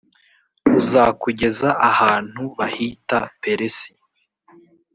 uzakugeza ahantu bahita peresi